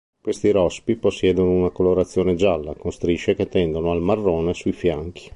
Questi rospi possiedono una colorazione gialla con strisce che tendono al marrone sui fianchi.